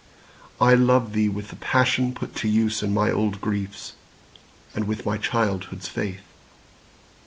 I love thee with the passion put to use In my old griefs, and with my childhood's faith.